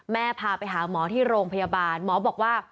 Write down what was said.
พาไปหาหมอที่โรงพยาบาลหมอบอกว่า